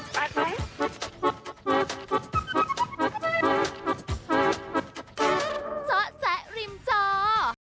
เจาะแจกริมเจาะ